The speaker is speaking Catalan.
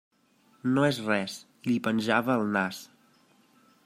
No és res, i li penjava el nas.